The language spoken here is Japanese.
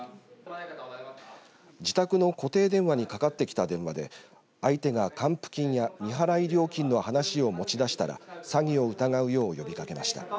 自宅の固定電話にかかってきた電話で相手が還付金や未払い料金の話を持ち出したら詐欺を疑うよう呼びかけました。